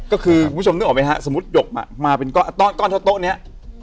ก็คือคุณผู้ชมนึกออกไหมฮะสมมุติหยกมาเป็นก้อนเท่าโต๊ะนี้